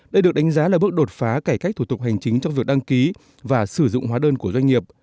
đây được đánh giá là bước đột phá cải cách thủ tục hành chính trong việc đăng ký và sử dụng hóa đơn của doanh nghiệp